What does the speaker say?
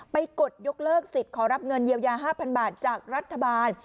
กดยกเลิกสิทธิ์ขอรับเงินเยียวยา๕๐๐บาทจากรัฐบาล